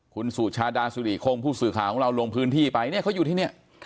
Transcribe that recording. คุณสุชาดาสุริคงผู้สื่อข่าวของเราลงพื้นที่ไปเนี่ยเขาอยู่ที่เนี่ย